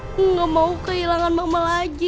aku gak mau kehilangan mama lagi